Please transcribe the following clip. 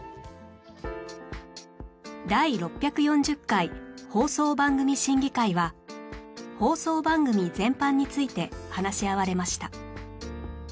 第６４０回放送番組審議会は「放送番組全般」について話し合われました